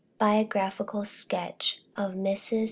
BIOGRAPHICAL SKETCH OF MRS.